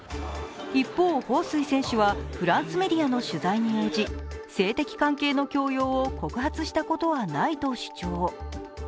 一方、彭帥選手はフランスメディアの取材に応じ性的関係の強要を告発したことはないと主張。